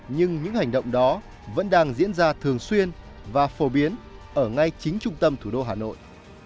nhưng những hành động đó vẫn đang diễn ra thường xuyên và phổ biến ở ngay chính trung tâm thủ đô hà nội